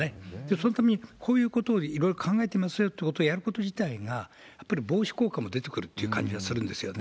そのためにこういうことをいろいろ考えてますよってことをやること自体が、やっぱり防止効果も出てくるっていう感じがするんですよね。